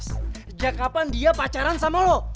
sejak kapan dia pacaran sama lo